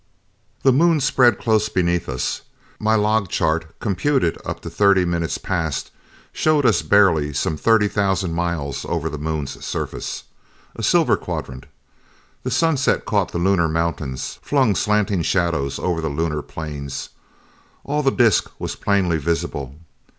The Moon spread close beneath us. My log chart, computed up to thirty minutes past, showed us barely some thirty thousand miles over the Moon's surface. A silver quadrant. The sunset caught the Lunar mountains, flung slanting shadows over the Lunar plains. All the disc was plainly visible.